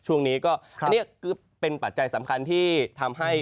ช่วงนี้ก็อันนี้ก็เป็นปัจจัยสำคัญที่ทำให้